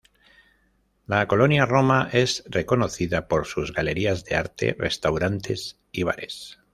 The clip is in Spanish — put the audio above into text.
La colonia Roma es reconocida por sus galerías de arte, restaurantes y bares.